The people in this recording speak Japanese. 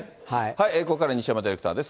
ここからは西山ディレクターです。